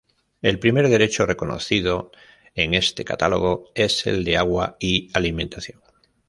El primer derecho reconocido en este catálogo es el de agua y alimentación.